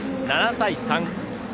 ７対３。